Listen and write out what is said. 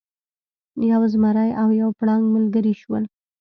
یو زمری او یو پړانګ ملګري شول.